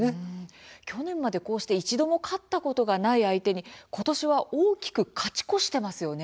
去年まで一度も勝ったことのない相手にことしは大きく勝ち越していますよね。